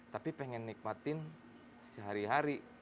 tapi pengen nikmatin sehari hari